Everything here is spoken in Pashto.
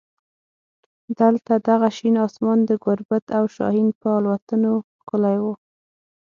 دلته دغه شین اسمان د ګوربت او شاهین په الوتنو ښکلی و.